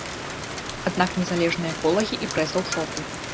Аднак незалежныя эколагі і прэса ў шоку.